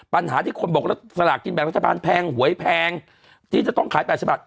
ปัญหาที่คนบอกแล้วสลากกินแบ่งรัฐบาลแพงหวยแพงที่จะต้องขาย๘ฉบับ